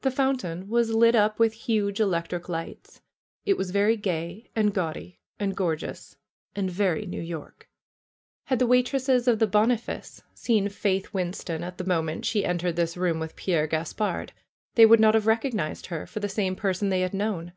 The fountain was lit up with hidden elec tric lights. It was very gay and gaudy and gorgeous, and very New York. Had the waitresses of the Boniface seen Faith Win 236 FAITH ston at the moment she entered this room with Pierre Gaspard they would not have recognized her for the same person they had known.